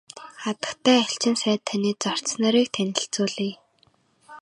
Хатагтай элчин сайд таны зарц нарыг танилцуулъя.